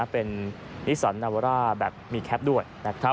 เป็นนิสันนาวาร่าแบบมีแคปด้วย